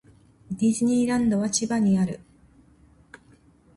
ディズニーランドは千葉にある